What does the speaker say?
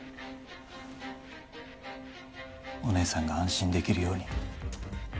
お姉さんが安心できるように